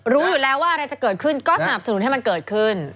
รู้อยู่แล้วว่าอะไรจะเกิดขึ้นก็สนับสนุนให้มันเกิดขึ้น